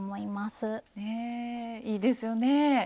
いいですよね。